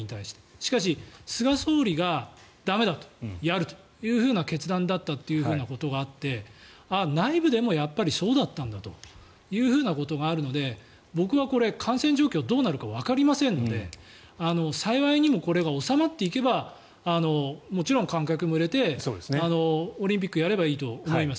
しかし、菅総理が駄目だとやるという決断だったということがあって内部でもやっぱりそうだったんだというのがあるので僕はこれ、感染状況どうなるかわかりませんので幸いにも、これが収まっていけばもちろん観客も入れてオリンピックやればいいと思います。